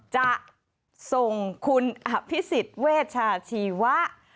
จะส่งคุณพิศิษฐ์เวชาชีวะ